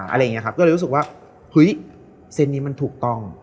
ก็เลยรู้สึกว่าเฮ้ยเซ็นนี้มันถูกต้อง